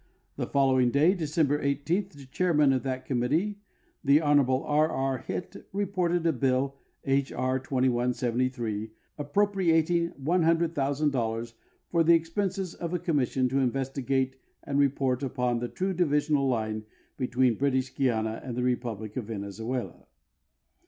The following da}', December 18, the chairman of that commit tee, the Hon. R. R. Hitt, reported a bill (H. R. 2173) appropri ating S100,000 for the expenses of a commission to investigate and report upon the true divisional line between British Guiana and the Republic of Venezuela.